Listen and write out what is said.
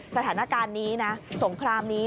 สถานการณ์นี้นะสงครามนี้